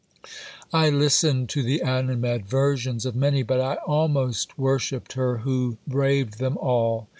I listened to the animadversions of many, but I almost worshipped her who braved them all."